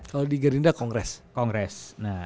kalau di gerinda kongres